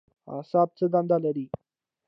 اعصاب څه دنده لري؟